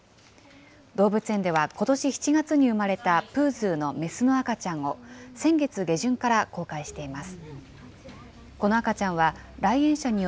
動物園ではことし７月に生まれたプーズーの雌の赤ちゃんを先月下旬から公開しています。